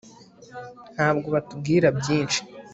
ntabwo batubwira byinshi